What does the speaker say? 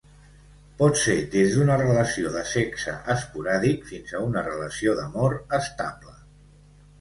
Pot ser des d'una relació de sexe esporàdic fins a una relació d'amor estable.